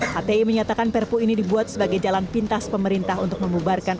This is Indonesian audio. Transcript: hti menyatakan perpu ini dibuat sebagai jalan pintas pemerintah untuk memubarkan